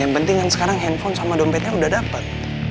yang penting kan sekarang handphone sama dompetnya udah dapet